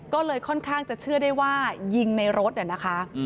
ก็เลยค่อนข้างจะเชื่อได้ว่ายิงในรถนะคะ